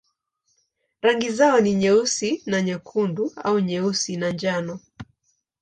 Rangi zao ni nyeusi na nyekundu au nyeusi na njano.